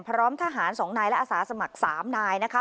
พร้อมทหาร๒นายและอาสาสมัคร๓นายนะคะ